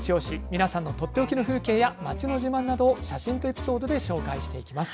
皆さんのとっておきの風景や街の自慢などを写真とエピソードで紹介していきます。